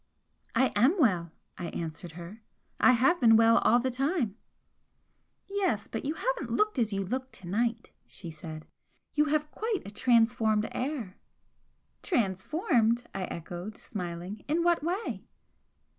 "I AM well!" I answered her "I have been well all the time." "Yes, but you haven't looked as you look to night," she said "You have quite a transformed air!" "Transformed?" I echoed, smiling "In what way?"